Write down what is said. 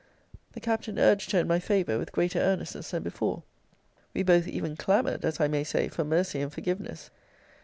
The Captain urged her in my favour with greater earnestness than before. We both even clamoured, as I may say, for mercy and forgiveness.